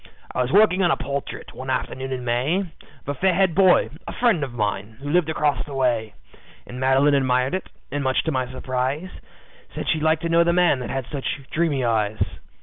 "I was working on a portrait, one afternoon in May, Of a fair haired boy, a friend of mine, who lived across the way. And Madeline admired it, and much to my surprise, Said she'd like to know the man that had such dreamy eyes.